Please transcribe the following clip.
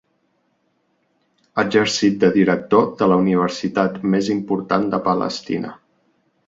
Ha exercit de director de la universitat més important de Palestina.